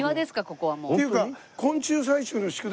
ここはもう。